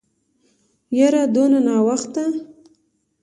يره دونه ناوخته.